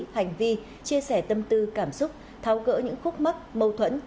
hành vi chia sẻ tâm tư cảm xúc tháo gỡ những khúc mắc mâu thuẫn